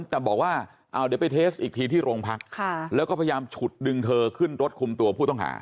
แต่บอกว่าเอาเดี๋ยวไปเทสอีกทีที่โรงพักแล้วก็พยายามฉุดดึงเธอขึ้นรถคุมตัวผู้ต้องหา